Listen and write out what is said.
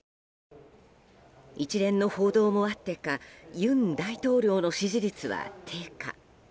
一連の報道もあってか尹大統領の支持率は低下。